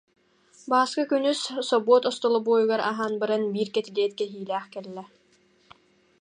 Бааска күнүс собуот остолобуойугар аһаан баран биир кэтилиэт кэһиилээх кэллэ